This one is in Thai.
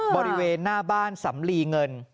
บริเวณหน้าบ้านสำลีเงิน